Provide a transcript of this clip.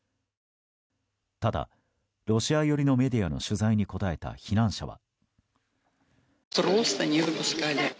ただロシア寄りのメディアの取材に答えた避難者は。